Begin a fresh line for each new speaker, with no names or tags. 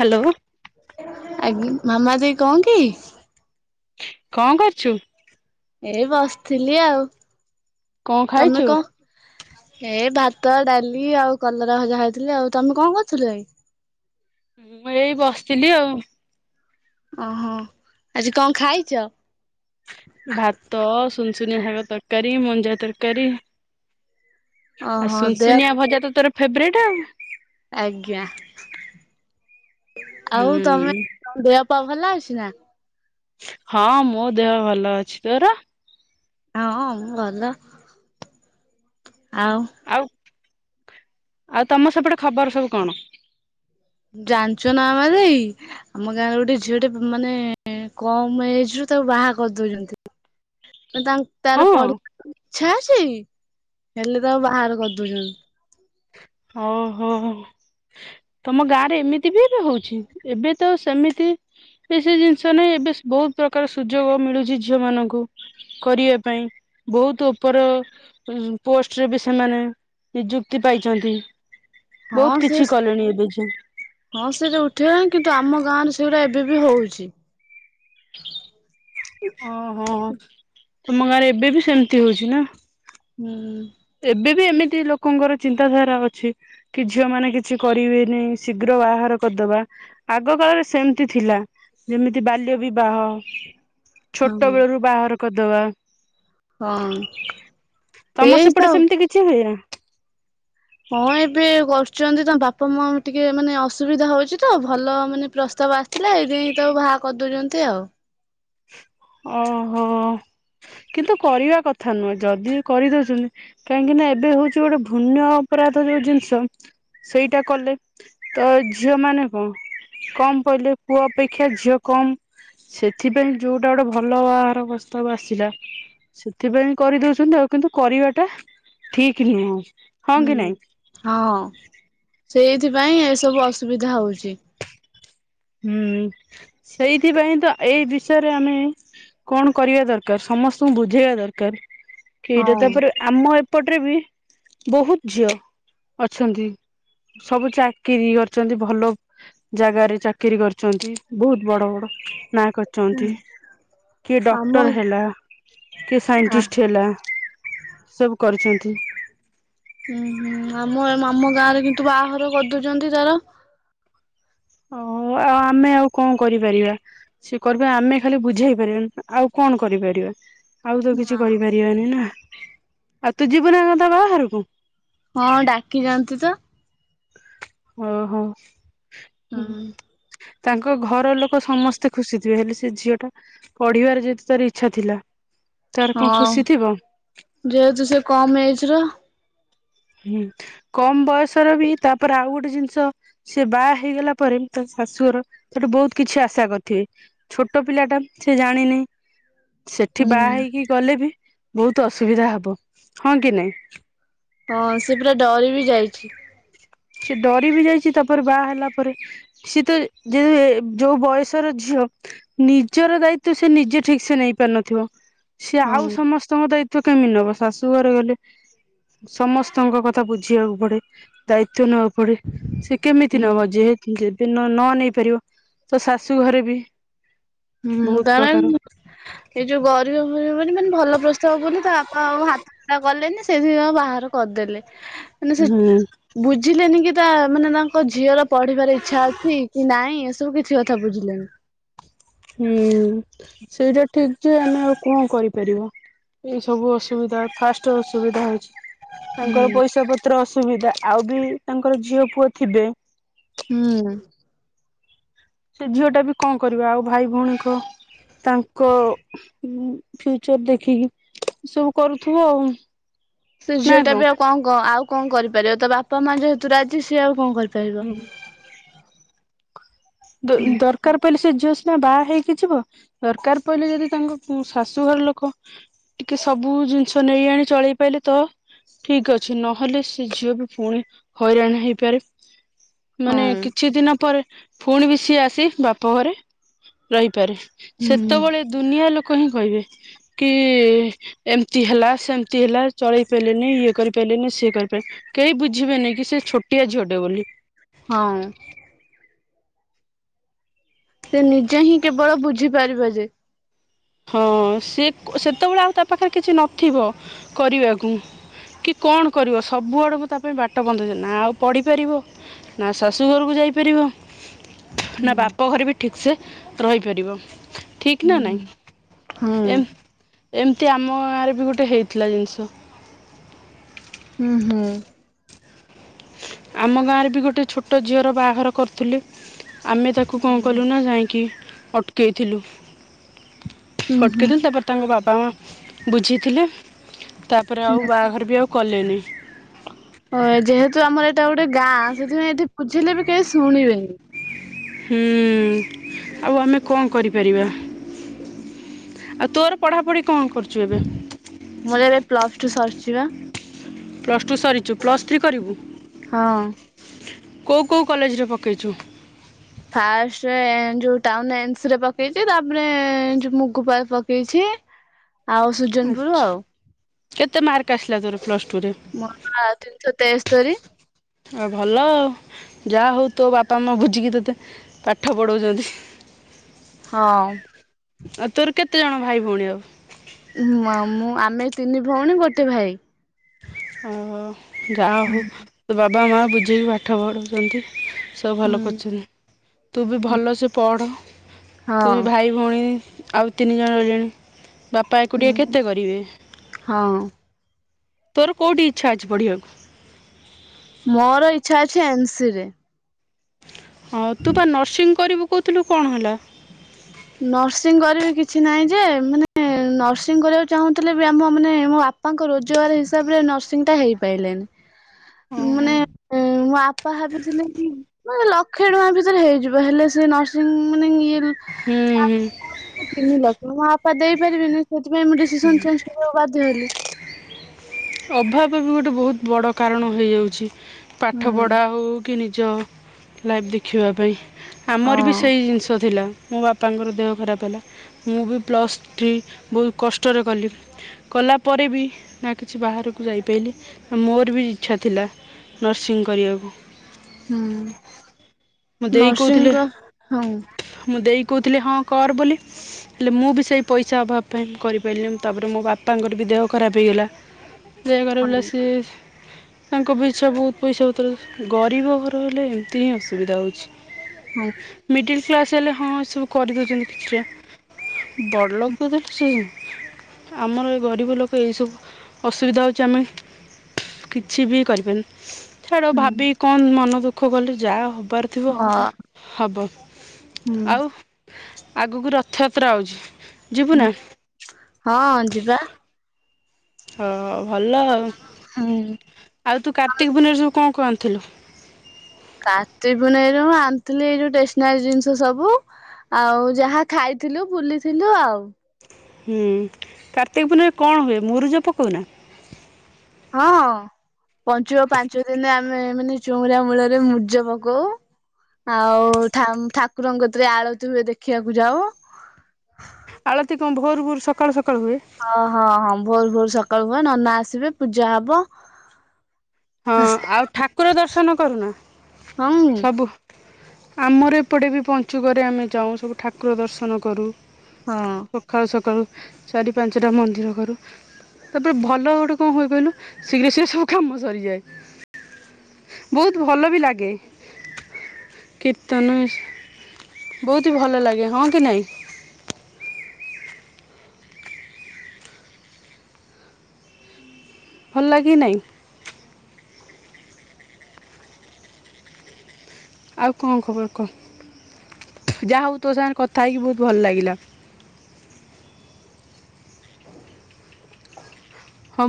Hello.
ଆଙ୍ଗି ମାମା ଵି କଣକି
କଣ କରୁଛୁ?
ଏଇ ବସିଥିଲି ଆଉ
କଣ
ତମେ
ଖାଇଛୁ?
କ ଏ ଭାତ ଡାଲି ଆଉ କଲରା ଭଜା ଖାଉଥିଲି ଆଉ ତମେ କଣ କରୁଥିଲ କି?
ମୁଁ ଏଇ ବସିଥିଲି ଆଉ।
ଓ ହଁ ଆଜି କଣ ଖାଇଛ?
ଭାତ, ସୁନସୁନିଆ ଶାଗ ତରକାରୀ, ମଞ୍ଜା ତରକାରୀ। ଆଉ
ଓହୋ ଦେହ
ସୁନସୁନିଆ ଭଜା ତ ତୋର ଫେବରେଟେ।
ଆଜ୍ଞା ଆଉ
ହୁଁ
ତୋମେ ଦେହ ପା ଭଲ ଅଛି ନା?
ହଁ ମୋ ଦେହ ଭଲ ଅଛି, ତୋର?
ହଁ ମୁଁ ଭଲ, ଆଉ
ଆଉ ଆଉ ତୋମ ସେପଟେ ଖବର ସବୁ କଣ?
ଜାଣିଛ ନା ମାମାଦେଇ ଆମ ଗାଁ ରେ ଗୋଟେ ଝିଅଟେ ମାନେ କମ୍ ଏଜ୍ ରୁ ତାକୁ ବାହା କରିଦଉଛନ୍ତି। ତାଙ୍କ
ହଁ
ତାର ପଢି [inaudible] ଚ୍ଛା ଅଛି ହେଲେ ତାକୁ ବାହାଘର କରିଦଉଚନ୍ତି।
ହୋ, ହୋ, ହଁ, ହଁ ତମ ଗାଁରେ ଏମିତି ବି ଏବେ ହଉଛି, ଏବେ ତ ସେମିତି ସେଇ ସେଇ ଜିନିଷ ନାହିଁ, ଏବେ ବହୁତ ପ୍ରକାର ସୁଯୋଗ ମିଳୁଛି ଝିଅମାନଙ୍କୁ। କରିବା ପାଇଁ ବହୁତ ଉପର ଉଁ, ପୋଷ୍ଟରେ ବି ସେମାନେ ନିଯୁ କ୍ତି ପାଇଛନ୍ତି।
ହଁ
କିଛି
ସିଏସ
କଲେଣି ଏବେ ଯେ
ହଁ ସେଇ ସବୁ ଉଠିଗଲାଣି, କିନ୍ତୁ ଆମ ଗାଁରେ ସେଗୁଡା ଏବେ ବି ହଉଛି।
ଓ ହଁ, ତୁମ ଗାଁରେ ଏବେ ବି ସେମତି ହଉଛି ନା?
ହୁଁ।
ଏବେ ବି ଏମିତି ଲୋକଙ୍କର ଚିନ୍ତାଧାରା ଅଛି। କି ଝିଅମାନେ କିଛି କରିବେନି ଶୀଘ୍ର ବାହାଘର କରିଦବା। ଆଗ କାଳରେ ସେମିତି ଥିଲା ଯେମିତି ବାଲ୍ୟ ବିବାହ। ଛୋଟ
ହଁ
ବେଳରୁୁ ବାହାଘର କରିଦବା।
ହଁ ଏଇ ତ
ତ କିଛି ହୁଏନା।
ହଁ ଏବେ କରୁଛନ୍ତି ତାଙ୍କ ବାପା ମା ଙ୍କୁ ଟିକେ ମାନେ ଅସୁବିଧା ହଉଛି ତ ଭଲ ମାନେ ପ୍ରସ୍ତାବ ଆସ ସିଲା ଏଇଥିପାଇଁ ତାକୁ ବାହା କରିଦଉଛନ୍ତି ଆଉ।
ଓହୋ! କିନ୍ତୁ କରିବା କଥା ନୁହେଁ। ଯଦି ବି କରିଦଉଛନ୍ତି କାହିଁକି ନା ଏବେ ହଉଛି ଗୋଟେ ଭୁନ୍ୟ ଅପରାଧ ଯୋଉ ଜିନିଷ ସେଇଟା କଲେ, ତ ଝିଅ ମାନେ କଣ କମ କହିଲେ ପୁଅ ଅପେକ୍ଷା ଝିଅ କମ। ସେଥିପାଇଁ ଯୋଉ ଟା ଗୋଟେ ଭଲ ବାହାଘର ପ୍ରସ୍ତାବ ଆସିଲା। ସେଥିପାଇଁ କରିଦଉଛନ୍ତି ଆଉ। କିନ୍ତୁ କରିବାଟା ଠିକ ନୁହଁ। ହଁ କି ନାଇଁ
ହଁ, ସେଇଥିପାଇଁ ଏସବୁ ଅସୁବିଧା ହଉଛି।
ହୁଁ, ସେଇଥିପାଇଁ ତ ଏଇ ବିଷୟରେ ଆମେ କଣ କରିବା ଦରକାର, ସମସ୍ତଙ୍କୁ ବୁଝେଇବା ଦରକାର। ସେଇଟା, ତା
ହଁ
ପରେ ଆମ ଏପଟରେ ବି ବହୁତ ଝିଅ ଅଛନ୍ତି। ସବୁ ଚାକିରି କରିଛନ୍ତି ଭଲ ଜାଗାରେ ଚାକିରୀ କରିଛନ୍ତି। ବହୁତ ବଡ ବଡ ନାଁ କରିଛନ୍ତି। କିଏ
ଆମ
ଡକ୍ଟର୍ ହେଲା, କିଏ
ଆ
ସାଇଣ୍ଟିଷ୍ଟ ହେଲା। ସବୁ କରିଛନ୍ତି।
ହୁଁ, ହୁଁ, ଆମ ଆମ ଗାଁ ରେ କିନ୍ତୁ ବାହାଘର କରିଦଉଚନ୍ତି ଯାର
ହଁ, ଅ, ଆମେ ଆଉ କଣ କରିପାରିବା। ସିଏ କରିବେ ଆମେ ଖାଲି ବୁଝେଇ ପାରିବା ନା ଆଉ କଣ କରିପାରିବା। ଆଉ ତ କିଛି
ହଁ
କରିପାରିବାନି ନା ଆଉ ତୁ ଯିବୁ ନା କଣ ତା ବାହାଘରକୁ?
ହଁ ଡାକିଚନ୍ତି ତ।
ଓ ହୋ ହୁଁ।
ହଁ
ତାଙ୍କ ଘର ଲୋକ ସମସ୍ତେ ଖୁସି ଥିବେ ହେଲେ ସେ ଝିଅ ଟା ପଢ଼ିବାର ଯେତେ ତାର ଇଚ୍ଛା ଥିଲା ତାର କଣ
ହଁ
ଖୁସି ଥିବ
ଯେହେତୁ ସେ କମ ଏଜ୍ ର
ହୁଁ କମ୍ ବୟସ ର ବି ତା ପରେ ଆଉ ଗୋଟେ ଜିନିଷ ସେ ବାହା ହେଇଗଲା ପରେ ତା ଶାଶୁର ତାଠୁ ବହୁତ କିଛି ଆଶା କରିଥିବେ। ଛୋଟ ପିଲାଟା ସେ ଜାଣିନି। ସେଠି ବାହା
ହୁଁ
ହେଇକି ଗଲେ ବି ବହୁତ ଅସୁବିଧା ହବ ହଁ କି ନାଇଁ?
ହଁ ସେ ପୁରା ଡରି ବି ଯାଇଚି।
ସେ ଡରି ବି ଯାଇଚି ତା ପରେ ବାହା ହେଲା ପରେ ସେ ତ ଯେ ଯୋଉ ବୟସର ଝିଅ ନିଜର ଦାୟିତ୍ବ ସେ ନିଜେ ଠିକ ସେ ନେଇ ପାରୁନଥିବ ସେ ଆଉ
ହଁ।
ସମସ୍ତ ସମସ୍ତଙ୍କ ଦାୟିତ୍ବ କେମିତି ନବ ଶାଶୁ ଘରେ ଗଲେ ସମସ୍ତଙ୍କ କଥା ବୁଝିବାକୁ ପଡେ। ତ୍ବ ନବାକୁ ପଡେ ସେ କେମିତି
ହୁଁ
ନବ ଯେହେ ଯେ ଦି ନ ନେଇ ପାରିବ ତା ଶାଶୁ ଘରେ ବି
ହୁଁ
ବହୁତ
ଦାର
ପ୍ରକାର
ଏଇ ଯୋଉ ଗରିବ ଗୁରିବ ବୋଲି ମାନେ ଭଲ ପ୍ରସ୍ତାବ ବୋଲି ତା ବାପା ଆଉ ହାତ ଛଡା କଲେନି ସେଇଥି ବାହାଘର କରିଦେଲେ ମାନେ ସେ
ହୁଁ
ବୁଝିଲେନି କି ତା ମାନେ ତାଙ୍କ ଝିଅର ପଢିବାର ଇଚ୍ଛା ଅଛି କି ନାଇଁ ଏସବୁ କିଛି କଥା ବୁଝିଲେନି।
ହୁଁ ସେଇଟା ଠିକ ଯେ ଆମେ ଆଉ କଣ କରିପାରିବା। ଏ ସବୁ ଅସୁବିଧା ଫାଷ୍ଟ ରୁ ଅସୁବିଧା ହଉଚି। ତାଙ୍କର
ହୁଁ
ପଇସା ପତ୍ର ଅସୁବିଧା ଆଉ ବି ତାଙ୍କର ଝିଅ ପୁଅ ଥିବେ।
ହୁଁ।
ସେ ଝିଅ ଟା ବି କଣ କରିବ ଆଉ ଭାଇ ଭଉଣୀଙ୍କ ତାଙ୍କ ଉଁ ଫ୍ୟୁଚର ଦେଖିକି ଏ ସବୁ କରୁଥିବ ଆଉ।
ସେ ଝିଅ ଟା ବି ଆଉ କଣ କ ଆଉ କଣ କରିପାରିବ ତା ବାପା ମା ଯେହେତୁ ରାଜି ସିଏ ଆଉ କଣ କରିପାରିବ।
ଦ
ହୁଁ
ଦର ଦରକାର ପଇଲେ ସେ ଝିଅ ସିନା ବାହା ହେଇକି ଯିବ ଦରକାର ପଇଲେ ଯଦି ତାଙ୍କ ଶାଶୁଘର ଲୋକ ଟିକେ ସବୁ ଜିନିଷ ନେଇ ଆଣି ଚଳେଇ ପାଇଲେ ତ ଠିକ ଅଛି ନ ହେଲେ ସେ ଝିଅ ବି ପୁଣି ହଇରାଣ ହେଇପାରେ। ମାନେ
ହଁ।
କିଛି ଦିନ ପରେ ପୁଣି ବି ସିଏ ଆସି ବାପ ଘରେ ରହିପାରେ।
ହୁଁ
ସେତେବେଳେ ଦୁନିଆ ଲୋକ ହିଁ କହିବେ କି ଏମିତି ହେଲା ସେମିତି ହେଲା ଚଳେଇ ପାରିଲେନି ଇଏ କରିପ ପାରିଲେନି ସିଏ କରିପାରି। କେହି ବୁଝିବେନି କି ସେ ଛୋଟିଆ ଝିଅଟେ ବୋଲି।
ହଁ। ସେ ନିଜେ ହିଁ କେବଳ ବୁଝିପାରିବ ଯେ
ହଁ ସେ ସେତେବେଳେ ଆଉ ତା ପାଖରେ କିଛି ନଥିବ କରିବାକୁ। କି କଣ କରିବ ସବୁ ଆଡକୁ ତା ପାଇଁ ବାଟ ବନ୍ଦ ହେଇଯିବ ନା ଆଉ ପଢିପାରିବ ନା ଶାଶୁ ଘରକୁ ଯାଇପାରିବ ନା ବାପ ଘରେ ବି ଠିକ୍ ସେ ରହିପାରିବ ଠିକ୍ ନା ନାଇଁ।
ହୁଁ।
ଏମ୍ ଏମିତି ଆମ ଗାଁରେ ବି ଗୋଟେ ହେଇଥିଲା ଜିନିଷ।
ହୁଁ ହୁଁ।
ଆମ ଗାଁରେ ବି ଗୋଟେ ଛୋଟ ଝିଅର ବାହାଘର କରୁଥିଲେ। ଆମେ ତାକୁ କଣ କଲୁ ନା ଯାଇଁକି ଅଟକେଇଥିଲୁ।
ହୁଁ ହୁଁ
ଅଟକେଇଥିଲୁ ତାପରେ ତାଙ୍କ ବାବା ମା ବୁଝିଥିଲେ ତାପରେ ଆଉ ବାହାଘର ବି ଆଉ କଲେନି।
ଓ ଯେହେତୁ ଆମର ଏଇଟା ଗୋଟେ ଗାଁ ସେଥିପାଇଁ ଏଠି ବୁଝିଲେ ବି କେହି ଶୁଣିବେନି।
ହୁଁ- ଆଉ ଆମେ କଣ କରିପାରିବା? ଆଉ ତୋର ପଢାପଢି କଣ କରୁଚୁ ଏବେ?
ମୋର ଏବେ ପ୍ଲସ୍ ଟୁ ସରିଚି ବା।
ପ୍ଲସ୍ ଟୁ ସରିଚୁ ପ୍ଲସ୍ ଥ୍ରୀ କରିବୁ?
ହଁ।
କୋଉ କୋଉ କଲେଜରେ ପକେଇଚୁ?
ଫାଷ୍ଟେ ଯୋଉ ଟାଉନ୍ ଏନସ୍ ରେ ପକେଇଚି ତାପରେ ଯୋ ମୁଗପାରେ ପକେଇଛି। ଆଉ ସୁ
ଆଚ୍ଛା, କେତେ ମାର୍କ ଆସିଲା ତୋର ପ୍ଲସ୍ ଟୁ ରେ?
ମୋର ବା ତିନିଶ ତେସ୍ତୋରି।
ଆଉ ଭଲ ଆଉ ଯାହା ହଉ ତୋ ବାପା ମା ବୁଝିକି ତୋତେ ପାଠ ପଢ଼ଉଚନ୍ତି।
ହଁ।
ଆ ତୋର କେତେ ଜଣ ଭାଇ ଭଉଣୀ ଆଉ?
ମା-ମୁଁ ଆମେ ତିନି ଭଉଣୀ ଗୋଟେ ଭାଇ।
ଓହୋ- ଯାହା ହଉ ତୋ ବାବା ମା ବୁଝିକି ପାଠ ପଢୋଉଚନ୍ତି। ସବୁ ଭଲ
ହୁଁ
କରିଚନି। ତୁ ବି ଭଲ ସେ ପଢ ତୁ ବି
ହଁ।
ଭାଇ ଭଉଣୀ ଆଉ ତିନି ଜଣ ରହିଲେଣି ବାପା ଏକୁଟିିଆ କେତେ କରିବେ?
ହଁ।
ତୋର କୋଉଠି ଇଚ୍ଛା ଅଛି ପଢିବାକୁ?
ମୋର ଇଚ୍ଛା ଅଛି ଏନ୍ ସିରେ।
ହଁ ତୁ ପା ନର୍ସିଂ କରିବୁ କହୁଥିଲୁ କଣ ହେଲା?
ନର୍ସିଂ କରିବି କିଛି ନାହିଁ ଯେ, ମାନେ ନର୍ସିଂ କରିବାକୁ ଚାହୁଁଥିଲେ ବି ଆମ ମାନେ ମୋ ବାପା ବାପାଙ୍କ ରୋଜଗାର ହିସାବରେ ନର୍ସିଂଟା ହେଇପାଇଲାନି
ଓହୋ
ମାନେ ମୋ ଆ ଟା ଭାବିଥିଲେ କି ମାନେ ଲକ୍ଷେ ଟଙ୍କା ଭିତରେ ହେଇଯିବ ହେଲେ ସେ ନର୍ସିଂ ମାନେ ଇଏ
ହୁଁ ହୁଁ
ତିନି ଲକ୍ଷ ମୋ ବାପା ଦେଇପାରିବେନି ସେଥିପାଇଁ ମୁଁ ଡିସିସନ୍ ଚେଞ୍ଚ୍ କରିବାକୁ ବାଧ୍ୟ ହେଲି।
ଅଭାବ ବି ଗୋଟେ ବହୁତ୍ ବଡ କାରଣ ହେଇଯାଉଚି,
ହୁଁ
ପାଠପଢା ହଉ କି ନିଜ ଲାଇଫ ଦେଖିବା ପାଇଁ ଆମର ବି
ହଁ
ସେଇ ଜିନିଷ ଥିଲା ମୁଁ ବାପ୍ ତାଙ୍କର ଦେହ ଖରାପ ହେଲା ମୁଁ ବି ପ୍ଲସ୍ ଥ୍ରୀ ବହୁତ କଷ୍ଟରେ କଲି। କଲା ପରେ ବି ସେ ବାହାରକୁ ଯାଇପାଇଲି, ମୋର ବି ଇଚ୍ଛା ଥିଲା ନର୍ସିଂ କରିଆକୁ।
ହୁଁ
ମୋ ଦେଇ
ନର୍ସିଂ
କହୁଥିଲେ
କ ହଁ
ମୋ ଦେଇ କହୁଥିଲେ ହଁ କର ବୋଲି ହେଲେ ମୁଁ ବି ସେଇ ପଇସା ଅଭାବ ପାଇଁ କରିପାଇଲିନି, ତାପରେ ମୋ ବାପାଙ୍କର ବି ଦେହ ଖରାପ ହେଇଗଲା। ଦେହଖରାପ ହେଲା
ହଁ
ସେ ତାଙ୍କ ପିଛା ବହୁତ୍ ପଇସା ପତ୍ର ଗରିବ ଘର ହେଲେ ଏମିତି ହିଁ ଅସୁବିଧା ହଉଚି।
ହଁ।
ମିଡିଲ କ୍ଲାସ ହେଲେ ହଁ ଏ ସବୁ କରିଦଉଚନ୍ତି କିଛିଟା। ବଡ଼ ଲୋକତ ହେଲେ ସେ ଆମର ଏ ଗରିବ ଲୋକ ଏଇ ସବୁ ଅସୁବିଧା ହଉଚି ଆମେ କିଛି ବି କରିପାରୁନୁ, ଛାଡ ଭାବିକି କଁ ମନ ଦୁଃଖ କଲି ଯାହା ହବାର ଥିବ
ହଁ
ହବ ଆଉ ଆଗୁକୁ ରଥଯାତ୍ରା ଆଉଚି ଯିବୁ
ହଁ
ନା।
ହଁ ଯିବା
ହଁ ଭଲ ଆଉ
ହଁ
ଆଉ ତୁ କାର୍ତ୍ତିକ ପୁନେଇରୁ ସବୁ କଁ କଁ ଆନିଥିଲୁ?
କାର୍ତ୍ତିକ ପୁନେଇରୁ ମ ଆଣିଥିଲି ଏଇ ଯୋଉ ଟେସନାରି ଜିନିଷ ସବୁ - ଆଉ ଯାହା ଖାଇଥିଲୁ ବୁଲିଥିଲୁ ଆଉ
ହୁଁ କାର୍ତ୍ତିକ ପୁନେଇଁରେ କଣ ହୁଏ, ମୁରୁଜ ପକଉନା?
ହଁ ଅ ପଂଚୁକ ପାଞ୍ଚ ଦିନ ଆମେ ମାନେ ଚଉରା ମୂଳରେ ମୂର୍ଜ ପକଉ - ଆଉ ଠା ଠାକୁରଙ୍କ ଗତିରେ ଆଳତି ହୁଏ ଦେଖିବାକୁ ଯାଉ -
ଆଳତି କଣ ଭୋରୁ ଭୋରୁ ସକାଳୁ ସକାଳୁ ହୁଏ?
ହଁ ହଁ ହଁ ଭୋରୁ ଭୋରୁ ସକାଳୁ ହୁଏ ନନା ଆସିବେ ପୂଜା ହବ -
ହଁ ଆଉ ଠାକୁର ଦର୍ଶନ କରୁନା
ହଁ
ସବୁ ଆମର ଏପଟେ ବି ପଞ୍ଚୁକରେ ଆମେ ଯାଉଁ ସବୁ ଠାକୁର ଦର୍ଶନ କରୁ -
ହଁ
ସଖାଳୁ ସକାଳୁ ଚାରି ପାଞ୍ଚଟା ମନ୍ଦିର କରୁ - ତାପରେ ଭଲ ଗୋଟେ କଣ ହୁଏ କହିଲୁ ଶୀଘ୍ର ଶୀଘ୍ର ସବୁ କାମ ସରିଯାଏ, ବହୁତ ଭଲ ବି ଲାଗେ - କୀର୍ତ୍ତନ ଇସ୍, ବହୁତ ହି ଭଲ ଲାଗେ ହଁ କି ନାଇଁ। ଭଲ ଲାଗେ କି ନାଇଁ। ଆଉ କଣ ଖବର କହ, ଯାହା ହଉ ତୋ ସାଙ୍ଗରେ କଥା ହେଇକି ବହୁତ ଭଲ ଲାଗିଲା। ହଁ